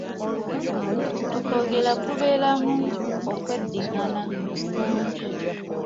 Okwogera kubeeramu okweddingana kungi.